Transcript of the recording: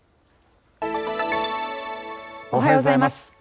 おはようございます。